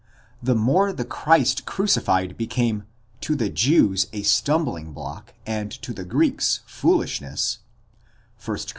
The more the Christ crucified became 20 the Jews a stumbling block, and to the Greeks foolishness (τ Cor.